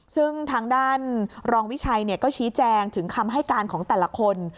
ซึ่งทางด้านรองวิชัยก็ชี้แจงถึงคำให้การของแต่ละคน